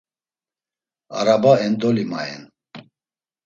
Araba endoli mayen.